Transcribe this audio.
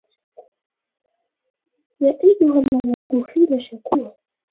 يا أيها الموعوظ في لشكوه